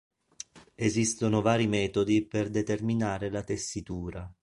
Esistono vari metodi per determinare la tessitura.